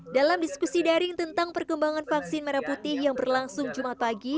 dalam diskusi daring tentang perkembangan vaksin merah putih yang berlangsung jumat pagi